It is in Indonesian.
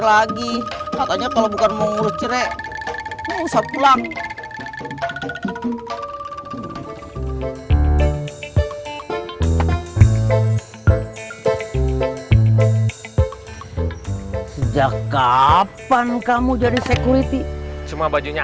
lagi katanya kalau bukan mau ngurus cereh usap langsung sejak kapan kamu jadi security cuma bajunya